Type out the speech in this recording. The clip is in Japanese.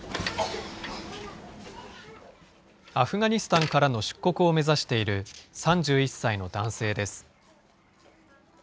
アフガニスタンからの出国を目指している３１歳の男性です。